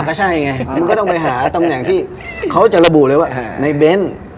ก็ใช่ไงมันก็ต้องไปหาตำแหน่งที่เขาจะระบุเลยว่าในเบ้น